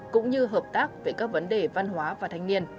cũng như hợp tác về các vấn đề văn hóa và thanh niên